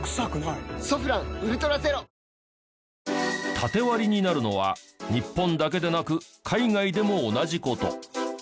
タテ割りになるのは日本だけでなく海外でも同じ事。